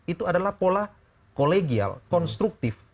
itu adalah pola kolegial konstruktif